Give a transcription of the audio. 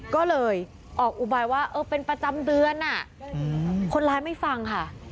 ก็เลยออกอุบายว่าเออเป็นประจำเดือนคนร้ายไม่ฟังค่ะ